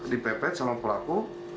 dipepet sama pelaku